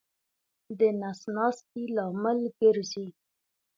د نس ناستې لامل ګرځي.